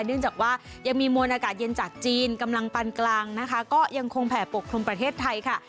เนื่องจากว่ายังมีมวลอากาศเย็นจากจีนกำลังปันกลางนะคะก็ยังคงแผ่ปกครุมประเทศไทยค่ะ